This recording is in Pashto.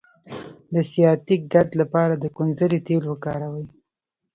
د سیاتیک درد لپاره د کونځلې تېل وکاروئ